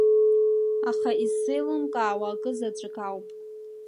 Аха исзеилымкаауа акы заҵәык ауп.